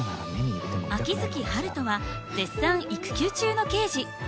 秋月春風は絶賛育休中の刑事。